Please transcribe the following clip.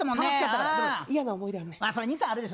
嫌な思い出あんねん。